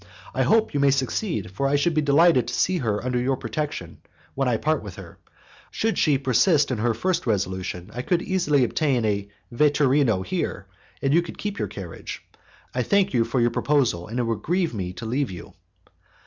I hope you may succeed, for I should be delighted to see her under your protection when I part with her. Should she persist in her first resolution, I could easily find a 'vetturino' here, and you could keep your carriage. I thank you for your proposal, and it will grieve me to leave you."